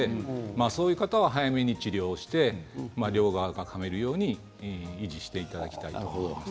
そういう方は、早めに治療をして両側でかめるようにしていただきたいと思います。